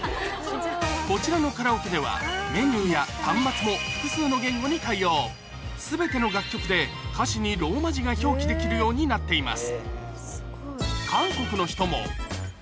こちらのカラオケではメニューや端末も複数の言語に対応全ての楽曲で歌詞にローマ字が表記できるようになっています